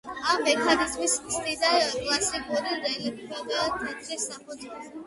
ამ მექანიზმს ხსნიდნენ კლასიკური რეფლექტორული თეორიის საფუძველზე.